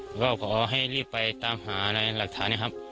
แล้วก็ขอให้รีบไปตามหาในหลักฐานนะครับ